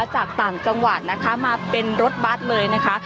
จากต่างจังหวัดนะคะมาเป็นรถบัตรเลยนะคะ